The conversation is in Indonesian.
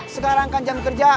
sekarang kan jangan kerja